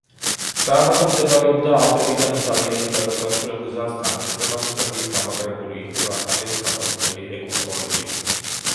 სააბატო მდებარეობდა ალპებიდან იტალიაში გადასასვლელ გზასთან, შესაბამისად ის გამაგრებული იყო, რათა ეს გასასვლელი ეკონტროლებინა.